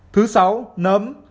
thứ sáu nấm